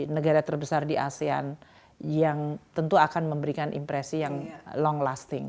negara terbesar di asean yang tentu akan memberikan impresi yang long lasting